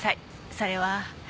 それは。